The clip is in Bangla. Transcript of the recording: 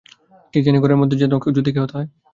কি জানি ঘরের মধ্যে যদি কেহ থাকে!